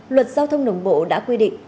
luật giao thông nồng bộ đã quy định